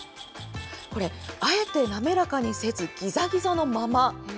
これ、あえて滑らかにせず、ぎざぎざのまま。